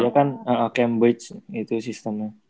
dia kan cambridge itu sistemnya